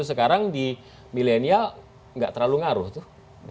sekarang di millennial gak terlalu ngaruh tuh